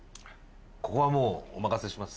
ここはもうお任せします